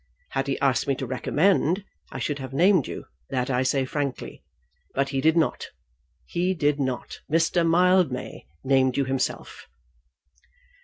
Had he asked me to recommend, I should have named you; that I say frankly. But he did not. He did not. Mr. Mildmay named you himself.